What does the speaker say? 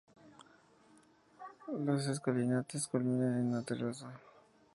Las escalinatas culminan en una terraza.